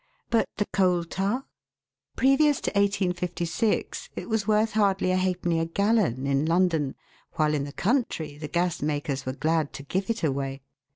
But the coal tar? Previous to 1856 it was worth hardly |d. a gallon in London, while in the country the gas makers were glad to give it away.